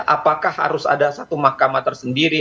apakah harus ada satu mahkamah tersendiri